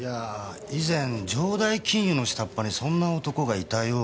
以前城代金融の下っ端にそんな男がいたような。